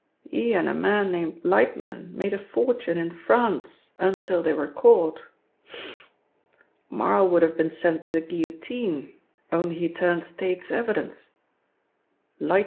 He and a man named Lightman made a fortune in France until they were caught. Marl would have been sent to the guillotine, only he turned State's evidence.